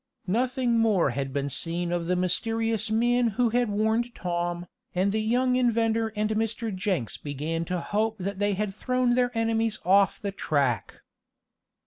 Nothing more had been seen of the mysterious man who had warned Tom, and the young inventor and Mr. Jenks began to hope that they had thrown their enemies off the track.